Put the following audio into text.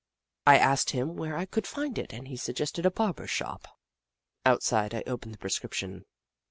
I asked him where I could find it, and he sug gested a barber shop. Outside, I opened the prescription.